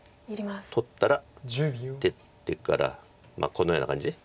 取ったら出てからこのような感じ。